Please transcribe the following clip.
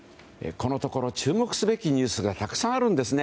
このところ注目すべきニュースがたくさんあるんですね。